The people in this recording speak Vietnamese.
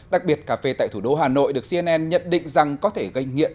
đặc biệt cà phê tại thủ đô hà nội được cnn nhận định rằng có thể gây nghiện